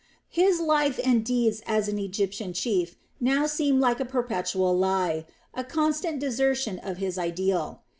His life and deeds as an Egyptian chief now seemed like a perpetual lie, a constant desertion of his ideal.